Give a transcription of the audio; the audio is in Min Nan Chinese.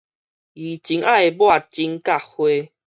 伊真愛抹指甲花